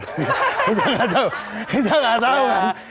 kita tidak tahu